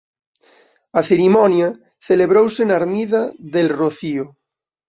A cerimonia celebrouse na ermida de El Rocío.